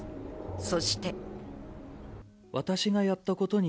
そして。